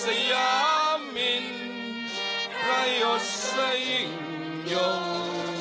จงเสร็จเวรสีระเพราะพระโยชน์ไสยิงโยง